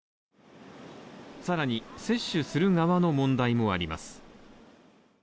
さらに、接種する側の問題もあります。